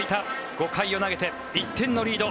５回を投げて１点のリード。